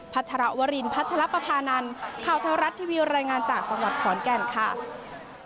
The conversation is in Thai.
ชรวรินพัชรปภานันข่าวเทวรัฐทีวีรายงานจากจังหวัดขอนแก่นค่ะ